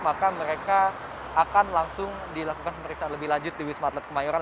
maka mereka akan langsung dilakukan pemeriksaan lebih lanjut di wisma atlet kemayoran